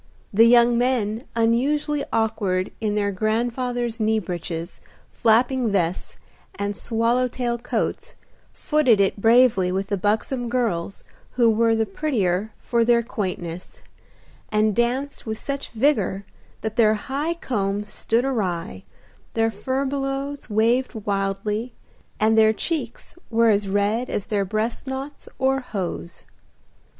The young men, unusually awkward in their grandfathers' knee breeches, flapping vests, and swallow tail coats, footed it bravely with the buxom girls who were the prettier for their quaintness, and danced with such vigor that their high combs stood awry, their furbelows waved wildly, and their cheeks were as red as their breast knots, or hose.